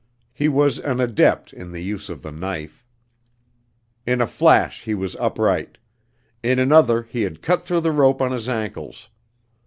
He was an adept in the use of the knife. In a flash he was upright; in another he had cut through the rope on his ankles.